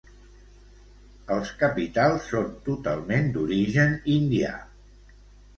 Els capitals són totalment d'origen indià.